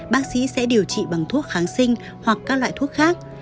bác sĩ sẽ điều trị bằng thuốc kháng sinh hoặc các loại thuốc khác